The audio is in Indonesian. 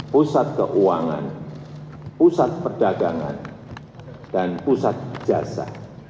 pusat keuangan pusat perdagangan dan pusat jasa